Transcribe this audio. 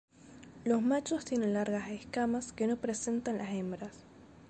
Los machos tienen largas escamas que no presentan las hembras.